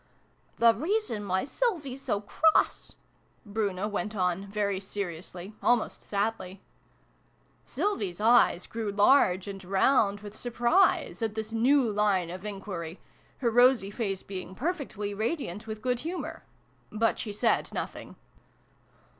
" The reason why Sylvie's so cross Bruno went on very seriously, almost sadly. i] BRUNO'S LESSONS. n Sylvie's eyes grew large and round with surprise at this new line of enquiry her rosy face being perfectly radiant with good humour. But she said nothing.